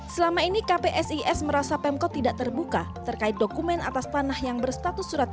selama ini kpsis merasa pemkot tidak terbuka terkait dokumen atas tanah yang berstatus surat